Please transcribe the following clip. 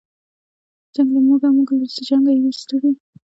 جنګ له موږه موږ له جنګه یو ډېر ستړي